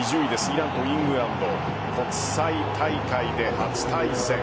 イランとイングランド国際大会で初対戦。